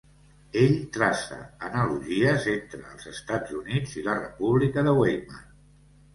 Ell traça analogies entre els Estat Units i la República de Weimar.